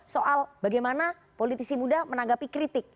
soal bagaimana politisi muda menanggapi kritik